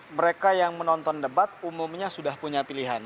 mereka yang menonton debat umumnya sudah punya pilihan